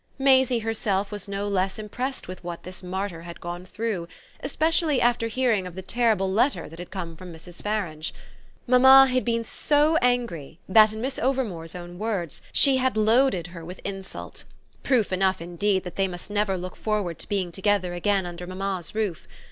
Maisie herself was no less impressed with what this martyr had gone through, especially after hearing of the terrible letter that had come from Mrs. Farange. Mamma had been so angry that, in Miss Overmore's own words, she had loaded her with insult proof enough indeed that they must never look forward to being together again under mamma's roof.